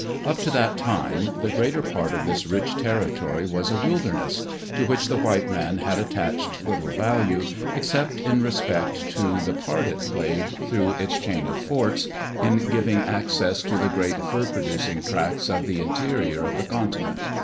Up to that time the greater part of this rich territory was a wilderness, to which the white man had attached little value, except in respect to the part it played, through its chain of forts, in giving access to the great fur producing tracts of the interior of the continent.